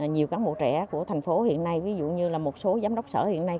nhiều cán bộ trẻ của thành phố hiện nay ví dụ như là một số giám đốc sở hiện nay